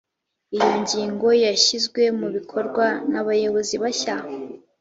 iyo nyigo yashyizwe mu bikorwa nabayobozi bashya